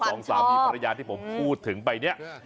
สองสามีภรรยาที่ผมพูดถึงไปเนี่ย